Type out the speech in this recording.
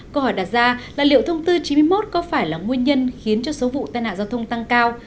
câu hỏi đặt ra là liệu thông tư chín mươi một có phải là nguyên nhân khiến cho số vụ tai nạn giao thông tăng cao